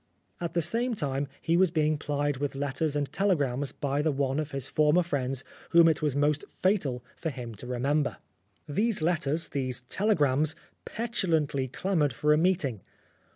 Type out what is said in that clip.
At the same time, he was being plied with letters and telegrams by the one of his former friends whom it was most fatal for him to remember. These letters, these telegrams, petulantly clamoured for a meet ing.